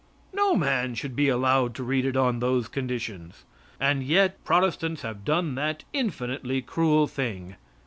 No man should be allowed to read it on those conditions. And yet Protestants have done that infinitely cruel thing.